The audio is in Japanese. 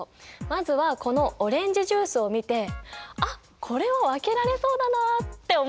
まずはこのオレンジジュースを見てあっこれは分けられそうだなあって思うものはない？